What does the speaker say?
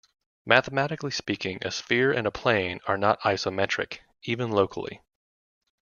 Mathematically speaking, a sphere and a plane are not isometric, even locally.